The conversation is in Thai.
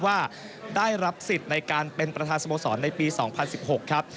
ว่าได้รับสิทธิ์ในการเป็นประธานสโมสรในปี๒๐๑๖ครับ